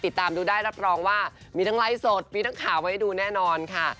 ติดตามดูได้รับรองว่ามีทั้งไลฟ์สดมีทั้งข่าวไว้ดูแน่นอนค่ะ